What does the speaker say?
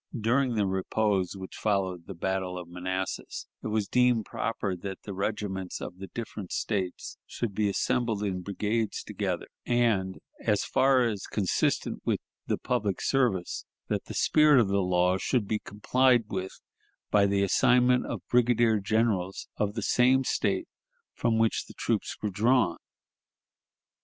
During the repose which followed the battle of Manassas, it was deemed proper that the regiments of the different States should be assembled in brigades together, and, as far as consistent with the public service, that the spirit of the law should be complied with by the assignment of brigadier generals of the same State from which the troops were drawn.